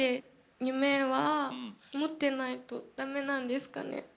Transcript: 夢は持ってないとだめなんですかね？